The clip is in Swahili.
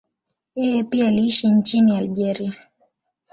Yeye pia aliishi nchini Algeria.